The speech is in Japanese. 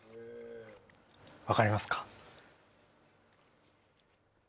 分かりますか？